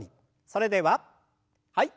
それでははい。